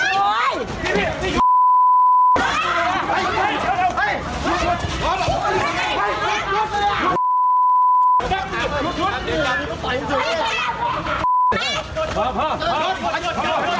เผื่อลงกำมันครับใจร้อนไปรอไปเปิดอะ